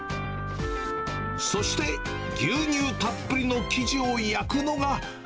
そして、牛乳たっぷりの生地を焼くのが。